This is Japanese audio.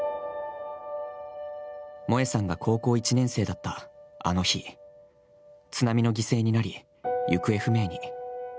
萌江さんが高校１年生だったあの日、津波の犠牲になり、行方不明に。